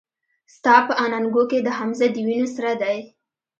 ستا په اننګو کې د حمزه د وينو سره دي